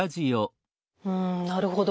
うんなるほど。